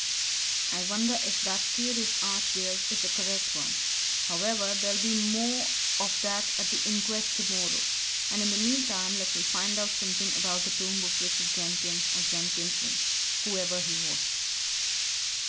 I wonder if that theory of Archdale's is a correct one? however, there'll be more of that at the inquest tomorrow. And in the meantime let me find out something about the tomb of Richard Jenkins, or Jenkinson whoever he was."